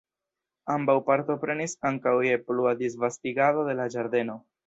Ambaŭ partoprenis ankaŭ je plua disvastigado de la ĝardeno.